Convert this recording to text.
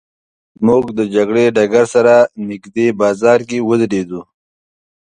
موږ د جګړې له ډګر سره نږدې بازار کې ودرېدو.